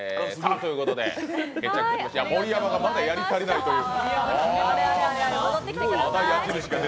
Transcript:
盛山がまだやりたいないという。